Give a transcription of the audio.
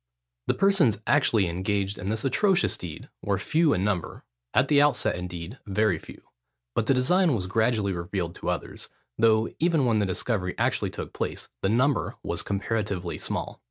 The persons actually engaged in this atrocious deed were few in number: at the outset, indeed, very few: but the design was gradually revealed to others, though even when the discovery actually took place, the number was comparatively small.